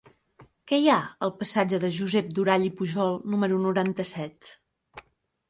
Què hi ha al passatge de Josep Durall i Pujol número noranta-set?